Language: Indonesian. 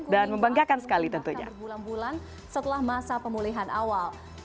dan membanggakan sekali tentunya